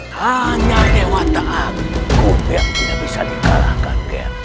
hanya dewata aku yang tidak bisa dikalahkan